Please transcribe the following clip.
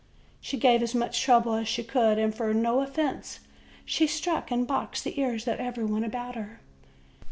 She gave as much trouble as she could, and for no offense she struck and boxed the ears of everybody about her.